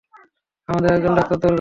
আমাদের একজন ডাক্তার দরকার!